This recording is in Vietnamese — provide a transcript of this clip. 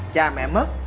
cha mẹ mất